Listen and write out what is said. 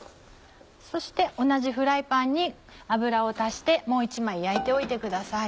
そして同じフライパンに油を足してもう１枚焼いておいてください。